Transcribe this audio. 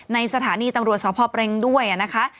ในสถานีตำรวจสพเปรงด้วยนะคะ